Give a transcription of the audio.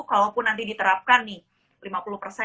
kalaupun nanti diterapkan nih